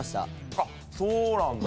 あっそうなんだ。